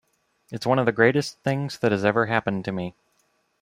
It's one of the greatest things that has ever happened to me.